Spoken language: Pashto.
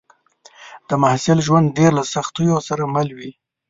د محصل ژوند ډېر له سختیو سره مل وي